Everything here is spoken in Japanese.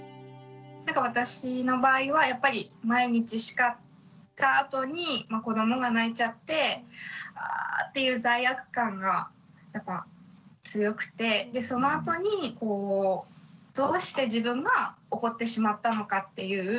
私の場合はやっぱり毎日しかったあとに子どもが泣いちゃってあっていう罪悪感がやっぱ強くてそのあとにどうして自分が怒ってしまったのかっていう。